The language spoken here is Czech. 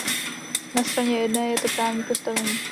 Na straně jedné je to právní postavení.